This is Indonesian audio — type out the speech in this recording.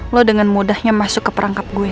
lo dengan mudahnya masuk ke perangkap gue